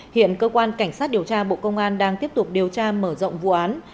hiện cơ quan cảnh sát điều tra bộ công an đang tiếp tục điều tra mở rộng vụ án